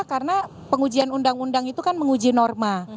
karena pengujian undang undang itu kan menguji norma